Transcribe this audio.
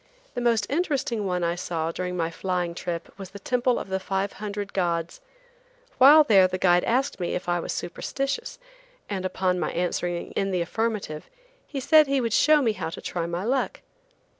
The most interesting one I saw during my flying trip was the Temple of the Five Hundred Gods. While there the guide asked me if I was superstitious, and upon my answering in the affirmative, he said he would show me how to try my luck.